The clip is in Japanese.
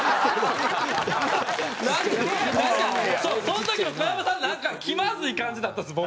その時の小籔さんなんか気まずい感じだったんです